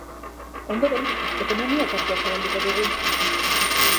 Ondoren, ekonomia tartea zabalduko dugu.